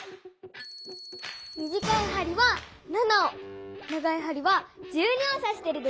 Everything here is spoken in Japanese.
短いはりは７を長いはりは１２をさしてるでしょ！